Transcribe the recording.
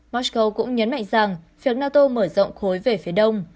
mosco cũng nhấn mạnh rằng việc nato mở rộng khối về phía đông